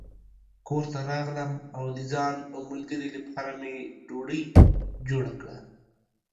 کور ته راغلم او د ځان او ملګري لپاره مې ډوډۍ جوړه کړه.